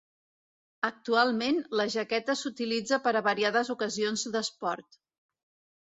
Actualment, la jaqueta s'utilitza per a variades ocasions d'esport.